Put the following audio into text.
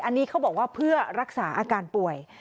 อันนี้เขาบอกว่าเพื่อรักษาอาการป่วย